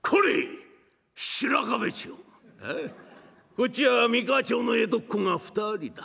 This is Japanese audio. こっちは三河町の江戸っ子が２人だ。